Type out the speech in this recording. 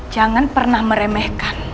jangan pernah meremehkan